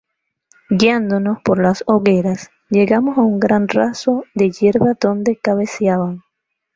guiándonos por las hogueras, llegamos a un gran raso de yerba donde cabeceaban